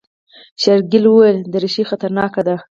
شېرګل وويل دريشي خطرناکه ده.